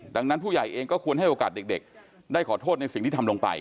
ดังนั้นผู้ใหญ่เองก็ควรให้โอกาสเด็กได้ขอโทษในสิ่งที่ทำลงไป